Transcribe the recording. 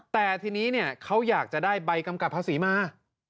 แต่ทีนี้เขาอยากจะได้ใบกำกับภาษีมา